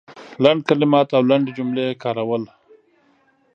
لنډ کلمات او لنډې جملې کارول